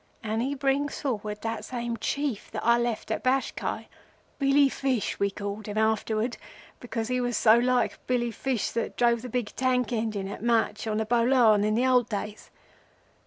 and he brings forward that same Chief that I left at Bashkai—Billy Fish we called him afterwards, because he was so like Billy Fish that drove the big tank engine at Mach on the Bolan in the old days.